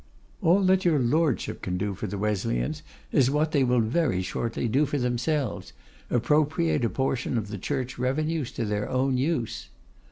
'All that your Lordship can do for the Wesleyans is what they will very shortly do for themselves, appropriate a portion of the Church Revenues to their own use.